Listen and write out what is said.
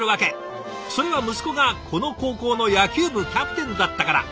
それは息子がこの高校の野球部キャプテンだったから。